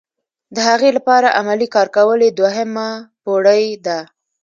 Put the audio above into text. د هغې لپاره عملي کار کول یې دوهمه پوړۍ ده.